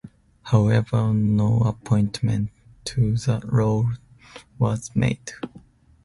However, no appointment to the role was made.